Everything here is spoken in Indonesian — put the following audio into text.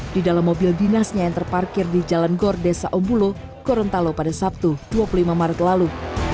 di dalam mobil dinasnya yang terparkir di jalan gor desa ombulo gorontalo pada sabtu dua puluh lima maret lalu